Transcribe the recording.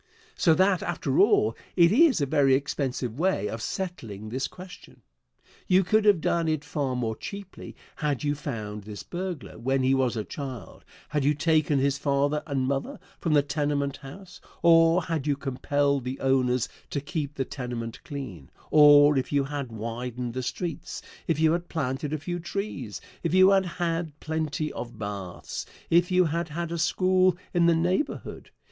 So that, after all, it is a very expensive way of settling this question. You could have done it far more cheaply had you found this burglar when he was a child; had you taken his father and mother from the tenement house, or had you compelled the owners to keep the tenement clean; or if you had widened the streets, if you had planted a few trees, if you had had plenty of baths, if you had had a school in the neighborhood.